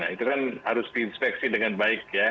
itu kan harus diinspeksi dengan baik ya